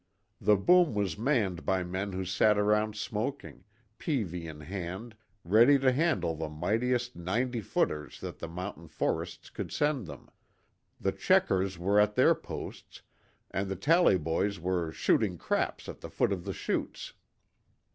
The boom was manned by men who sat around smoking, peavey in hand, ready to handle the mightiest "ninety footers" that the mountain forests could send them. The checkers were at their posts, and the tally boys were "shooting craps" at the foot of the shoots.